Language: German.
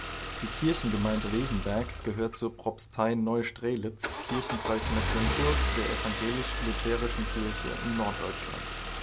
Die Kirchengemeinde Wesenberg gehört zur Propstei Neustrelitz, Kirchenkreis Mecklenburg der Evangelisch-Lutherischen Kirche in Norddeutschland.